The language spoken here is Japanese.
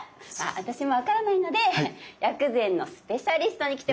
私も分からないので薬膳のスペシャリストに来てもらいました。